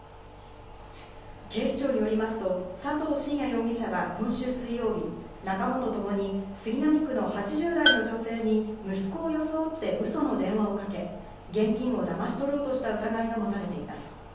警視庁によりますと佐藤信也容疑者は今週水曜日、仲間とともに杉並区の８０代の女性に息子を装って嘘の電話をかけ、現金をだまし取ろうとした疑いが持たれています。